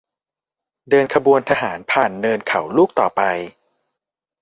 เดินขบวนทหารผ่านเนินเขาลูกต่อไป